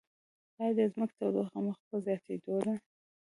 ایا د ځمکې تودوخه مخ په زیاتیدو ده؟